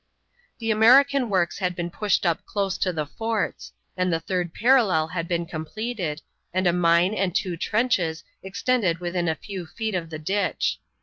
The American works had been pushed up close to the forts, and the third parallel had been completed, and a mine and two trenches extended within a few feet of the ditch.